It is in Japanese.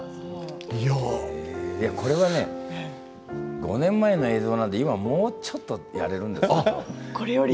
これは５年前の映像なので今もうちょっとやれるんですよ。